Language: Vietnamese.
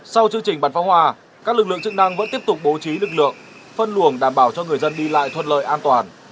sau chương trình bắn pháo hoa các lực lượng chức năng vẫn tiếp tục bố trí lực lượng phân luồng đảm bảo cho người dân đi lại thuận lợi an toàn